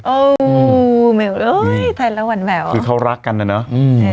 โอ้ไม่เอาเลยไทยแล้วหวั่นแบบคือเขารักกันแล้วเนอะอืม